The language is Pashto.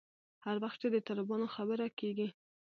هر وخت چې د طالبانو خبره کېږي.